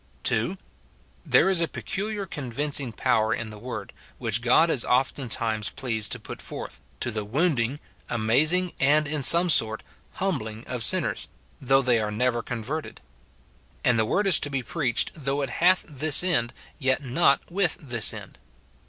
2. There is a peculiar convincing power in the word, which God is oftentimes pleased to put forth, to the wounding, amazing, and, in some sort, humbling of sinners, though they are never converted. And the word is to be preached though it hath this end, yet not with this end.